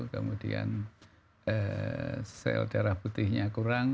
kemudian sel darah putihnya kurang